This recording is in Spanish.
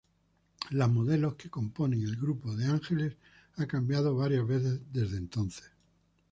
Las modelos que componen el grupo de Ángeles ha cambiado varias veces desde entonces.